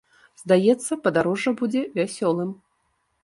Здаецца, падарожжа, будзе вясёлым.